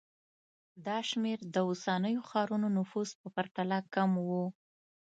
دا شمېر د اوسنیو ښارونو نفوس په پرتله کم و